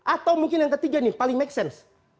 atau mungkin yang ketiga nih paling make sense